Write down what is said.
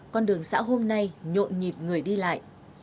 con đường xã hôm nay nhộn nhịp người đi lại